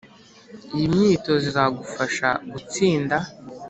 Iyi myitozo izagufasha gutsinda